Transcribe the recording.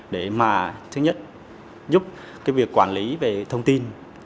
để mà thứ nhất giúp cái việc quản lý về thông tin